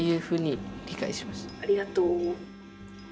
ありがとう。